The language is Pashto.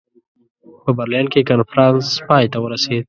په برلین کې کنفرانس پای ته ورسېد.